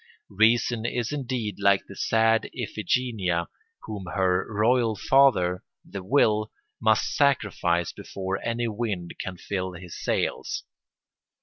Reason is indeed like the sad Iphigenia whom her royal father, the Will, must sacrifice before any wind can fill his sails.